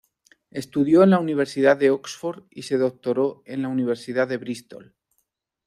Estudió en la Universidad de Oxford y se doctoró en la Universidad de Bristol.